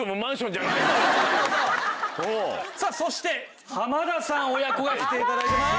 そして浜田さん親子が来て頂いています。